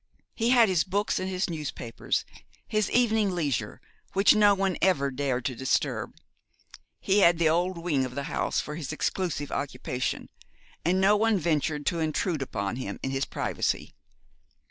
He had his books and his newspapers, his evening leisure, which no one ever dared to disturb. He had the old wing of the house for his exclusive occupation; and no one ventured to intrude upon him in his privacy.